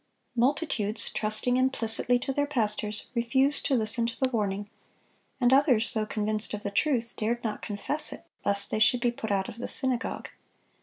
Multitudes, trusting implicitly to their pastors, refused to listen to the warning; and others, though convinced of the truth, dared not confess it, lest they should be "put out of the synagogue."